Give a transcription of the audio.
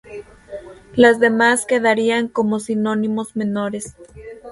Las demás quedarían como sinónimos menores.